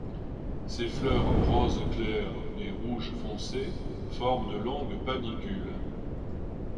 Ses fleurs rose clair et rouge foncé forment de longues panicules.